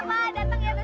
pak datang ya besok pagi